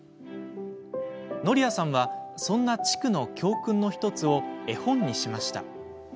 則也さんは、そんな地区の教訓の１つを絵本にしました。